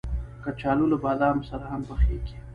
کچالو له بادامو سره هم پخېږي